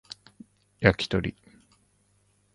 焼き鳥